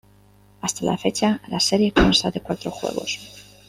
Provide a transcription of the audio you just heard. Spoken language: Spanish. Hasta la fecha, la serie consta de cuatro juegos.